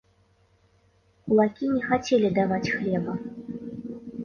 Кулакі не хацелі даваць хлеба.